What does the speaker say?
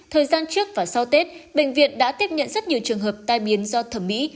thời gian trước và sau tết bệnh viện đã tiếp nhận rất nhiều trường hợp tai biến do thẩm mỹ